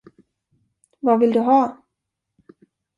Vad vill du ha?